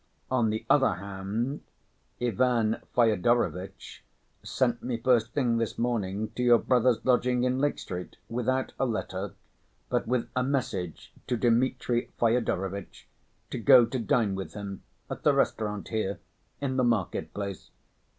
On the other hand, Ivan Fyodorovitch sent me first thing this morning to your brother's lodging in Lake Street, without a letter, but with a message to Dmitri Fyodorovitch to go to dine with him at the restaurant here, in the market‐place.